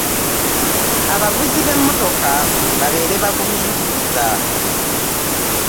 Abavuzi b'emmotoka babeere bagumiikiriza.